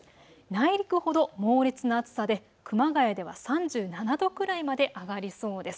内陸ほど猛烈な暑さで熊谷では３７度くらいまで上がりそうです。